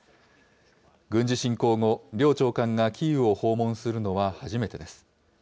軍事侵攻後、両長官がキーウを訪問するのは初めてです。